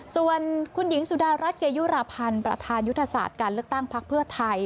ส่วนคุณหญิงสุดารัฐเกยุราพันธ์ประธานยุทธศาสตร์การเลือกตั้งพักเพื่อไทย